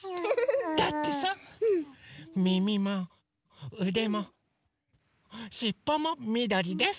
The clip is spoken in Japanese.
だってさみみもうでもしっぽもみどりです。